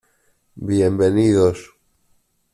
Bienvenidos.